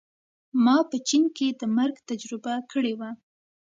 ما په چین کې د مرګ تجربه کړې وه